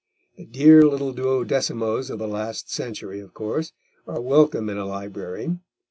The dear little duodecimos of the last century, of course, are welcome in a library.